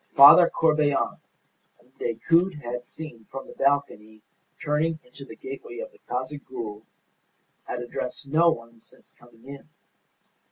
Father Corbelan, whom Decoud had seen from the balcony turning into the gateway of the Casa Gould, had addressed no one since coming in.